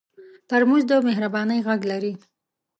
ترموز د مهربانۍ غږ لري.